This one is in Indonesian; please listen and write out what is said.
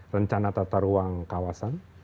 rencana tata ruang kawasan